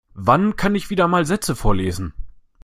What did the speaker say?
Wann kann ich wieder mal Sätze vorlesen.